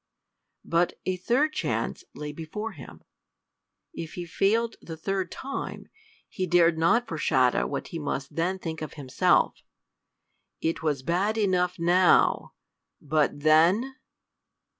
But a third chance lay before him. If he failed the third time, he dared not foreshadow what he must then think of himself! It was bad enough now but then!